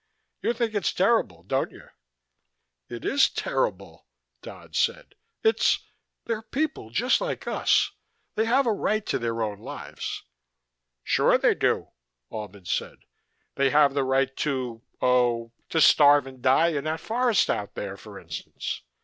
"You think it's terrible, don't you?" "It is terrible," Dodd said. "It's they're people, just like us. They have a right to their own lives." "Sure they do," Albin said. "They have the right to oh, to starve and die in that forest out there, for instance.